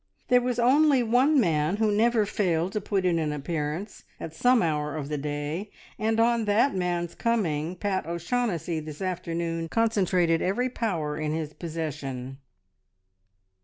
There was only one man who never failed to put in an appearance at some hour of the day, and on that man's coming Pat O'Shaughnessy this afternoon concentrated every power in his possession.